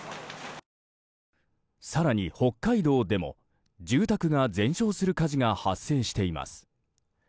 更に、北海道でも住宅が全焼する火事が発生しています。